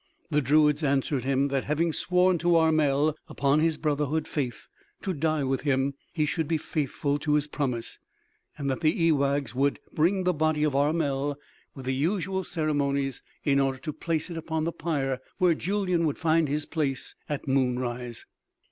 The druids answered him that having sworn to Armel upon his brotherhood faith to die with him, he should be faithful to his promise, and that the ewaghs would bring the body of Armel with the usual ceremonies in order to place it upon the pyre where Julyan would find his place at moon rise.